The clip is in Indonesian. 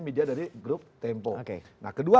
media dari grup tempo nah kedua